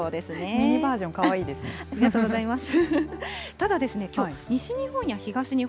ミニバージョン、かわいいですね。